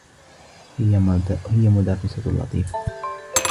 هي مدرّسة لطيفة.